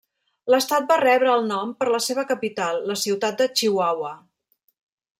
L'estat va rebre el nom per la seva capital, la ciutat de Chihuahua.